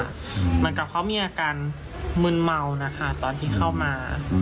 เหมือนกับเขามีอาการมึนเมานะคะตอนที่เข้ามา